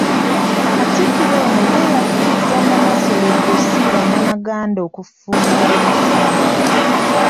Katikkiro ono ye yakkiriza Nnamasole Drusilla Namaganda okufumbirwa omusumba.